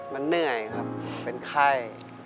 มันเหนื่อยครับเป็นไข้